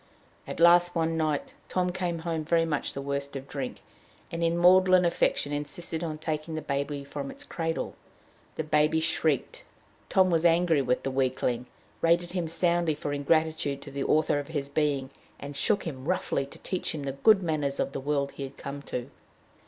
At last one night Tom came home very much the worse of drink, and in maudlin affection insisted on taking the baby from its cradle. The baby shrieked. Tom was angry with the weakling, rated him soundly for ingratitude to "the author of his being," and shook him roughly to teach him the good manners of the world he had come to.